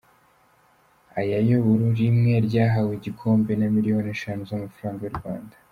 Aya yo buri rimwe ryahawe igikombe na miliyoni eshanu z’amafaranga y’u Rwanda.